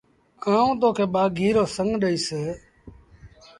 آئوٚݩ تو کي ٻآگھيٚ رو سنڱ ڏئيٚس ۔